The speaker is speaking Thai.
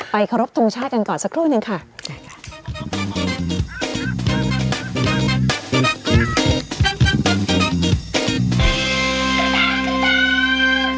ไปครอบตรงชาติกันก่อนสักครู่หนึ่งค่ะแน่แก่